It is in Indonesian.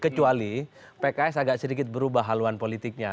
kecuali pks agak sedikit berubah haluan politiknya